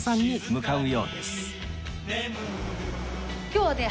今日はね